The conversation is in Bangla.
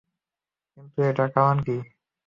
কিন্তু এটা করার কারণ কী?